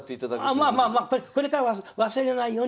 まあまあこれからは忘れないように。